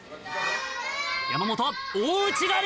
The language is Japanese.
山本大内刈！